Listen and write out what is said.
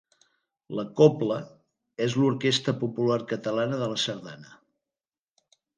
La cobla és l'orquestra popular catalana de la sardana.